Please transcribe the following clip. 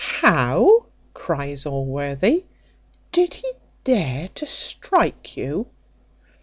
"How!" cries Allworthy; "did he dare to strike you?"